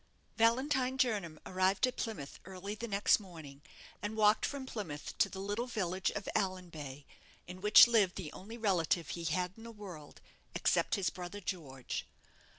Valentine Jernam arrived at Plymouth early the next morning, and walked from Plymouth to the little village of Allanbay, in which lived the only relative he had in the world, except his brother George.